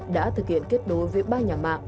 đã thực hiện kết đối với ba nhà mạng